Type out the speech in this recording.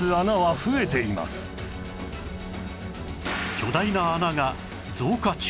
巨大な穴が増加中